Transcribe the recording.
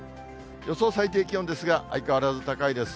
予想最低気温ですが、相変わらず高いです。